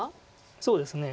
そうですね。